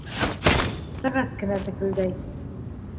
Сәғәт кенә текелдәй.